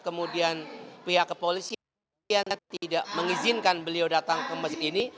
kemudian pihak kepolisian tidak mengizinkan beliau datang ke masjid ini